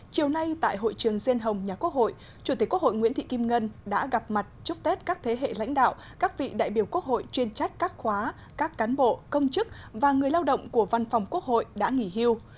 chiều nay tại hội trường diên hồng nhà quốc hội chủ tịch quốc hội nguyễn thị kim ngân đã gặp mặt chúc tết các thế hệ lãnh đạo các vị đại biểu quốc hội chuyên trách các khóa các cán bộ công chức và người lao động của văn phòng quốc hội đã nghỉ hưu